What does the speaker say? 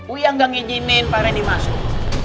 uya gak ngijinin pak reni masuk